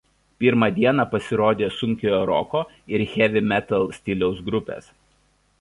Pirmą dieną pasirodė sunkiojo roko ir "heavy metal" stiliaus grupės.